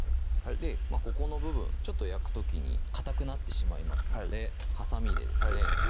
ここの部分焼く時にかたくなってしまいますのではさみでですね